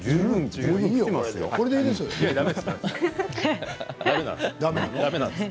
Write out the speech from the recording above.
これでいいですよ。